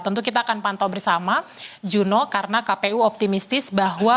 tentu kita akan pantau bersama juno karena kpu optimistis bahwa